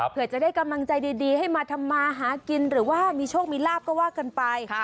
เพื่อจะได้กำลังใจดีให้มาทำมาหากินหรือว่ามีโชคมีลาบก็ว่ากันไป